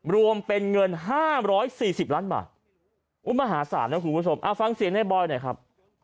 รวมเป็นเงิน๕๔๐ล้านบาทมหาศาลนะคุณผู้ชมเอาฟังเสียงในบอยหน่อยครับ